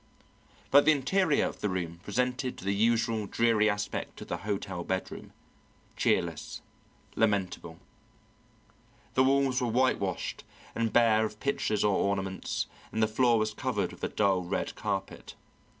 But the interior of the room presented the usual dreary aspect of the hotel bedroom cheerless, lamentable. The walls were whitewashed and bare of pictures or ornaments, and the floor was covered with a dull red carpet.